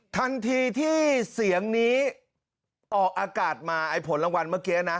ทันทีที่เสียงนี้ออกอากาศมาไอ้ผลรางวัลเมื่อกี้นะ